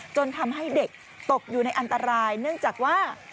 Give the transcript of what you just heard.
จนทำให้เด็กตกอยู่ในอันตรายเนื่องจากว่า